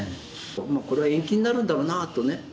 これは延期になるんだろうなとね。